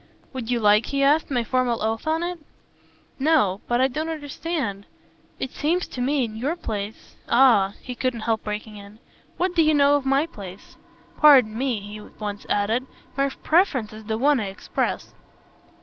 "Would you like," he asked, "my formal oath on it?" "No but I don't understand. It seems to me in your place !" "Ah," he couldn't help breaking in, "what do you know of my place? Pardon me," he at once added; "my preference is the one I express."